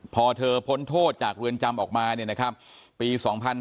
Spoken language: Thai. พอเธอพ้นโทษจากเรือนจำออกมาปี๒๕๕๙